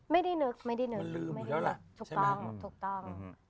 ไม่ได้นึกไม่ได้นึกไม่ได้ถูกต้องถูกต้อง